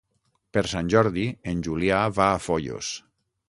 Per Sant Jordi en Julià va a Foios.